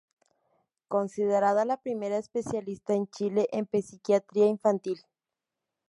Considerada la primera especialista en Chile en psiquiatría infantil.